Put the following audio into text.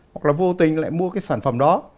hoặc là vô tình lại mua cái sản phẩm đó